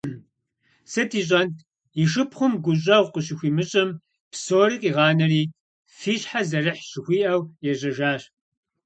Сыт ищӀэнт, и шыпхъум гущӀэгъу къыщыхуимыщӀым, псори къигъанэри, фи щхьэр зэрыхьщ жыхуиӀэу, ежьэжащ.